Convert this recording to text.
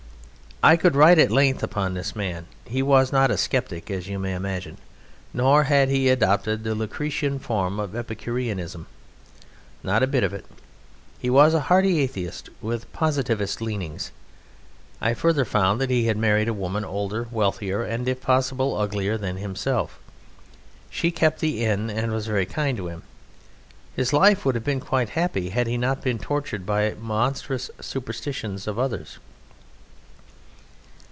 I could write at length upon this man. He was not a Sceptic as you may imagine, nor had he adopted the Lucretian form of Epicureanism. Not a bit of it. He was a hearty Atheist, with Positivist leanings. I further found that he had married a woman older, wealthier, and if possible uglier than himself. She kept the inn, and was very kind to him. His life would have been quite happy had he not been tortured by the monstrous superstitions of others.